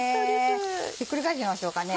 ひっくり返してみましょうかね。